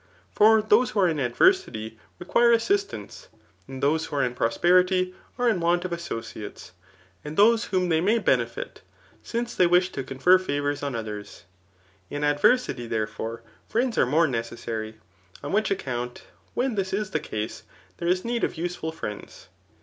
F<Mr those who are in adverdty require assistance, and those ^rtio are in prosperity are in want of associates, and those whotn they may benefit; since they wkh to confer favours on others. In adversity, therefore, friends are more neces sary ; on which account, when this is the case^ there is need of useful friends.